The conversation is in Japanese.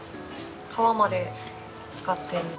皮まで使ってる。